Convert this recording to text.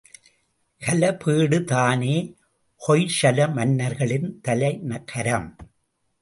ஹலபேடு தானே ஹொய்சல மன்னர்களின் தலைகரம்!